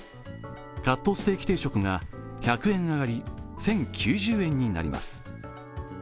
カットステーキ定食が１００円上がり１０９０円になります。